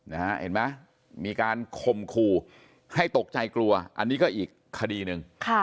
เห็นไหมมีการคมคู่ให้ตกใจกลัวอันนี้ก็อีกคดีหนึ่ง